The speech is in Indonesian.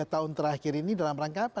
tiga tahun terakhir ini dalam rangka apa